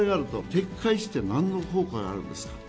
撤回してなんの効果があるんですか。